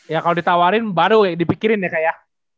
ya kalau ditawarin baru dipikirin ya kak ya